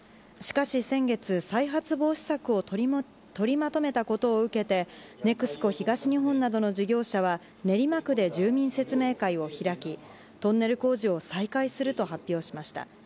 しかし先月、再発防止策を取りまとめたことを受けてＮＥＸＣＯ東日本などの事業者は練馬区で住民説明会を開きトンネル工事を再開すると発表しました。